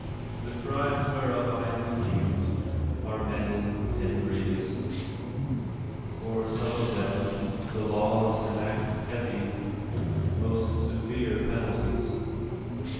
The crimes whcnof I am accused are many and grievous ; for some of them the laws enact hea\y — most severe penalties.